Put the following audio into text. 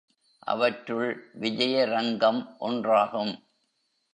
அவற்றுள் விஜயரங்கம் ஒன்றாகும்.